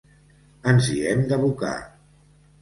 Ens hi hem d’abocar.